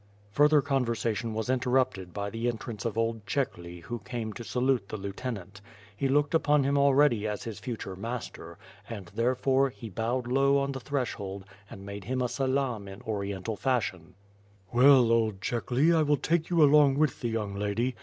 Further conversation was interrupted by the entrance of old Chekhly who came to salute the lieutenant. He looked upon him already as his future master, and therefore, he bowed low on the threshold and made him a salaam in Orient al fashion. WITH FIRE AND SWORD. gg *TVell, old Chekhly, I will take you along with the young lady.